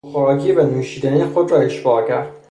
با خوراکی و نوشیدنی خودش را اشباع کرد.